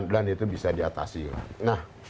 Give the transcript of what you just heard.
dan itu bisa diatasi nah